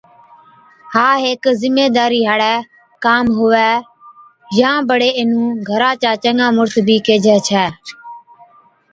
ها هيڪ زميدارِي هاڙِي ڪام هُوَي يان بڙي اينهُون گھرا چا چڱا مُڙس بِي ڪيهجَي ڇَي